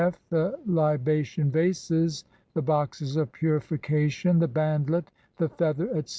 Pesh en kef^f , the libation vases, the boxes of purification, the bandlet, the feather, etc.